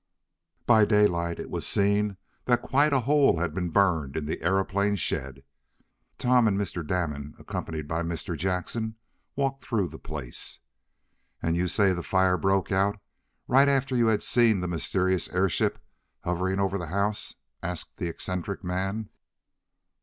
By daylight it was seen that quite a hole had been burned in the aeroplane shed. Tom and Mr. Damon, accompanied by Mr. Jackson, walked through the place. "And you say the fire broke out right after you had seen the mysterious airship hovering over the house?" asked the eccentric man.